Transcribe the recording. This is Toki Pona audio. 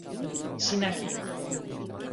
sina kin.